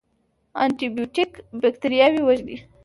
انټي بیوټیک بکتریاوې وژني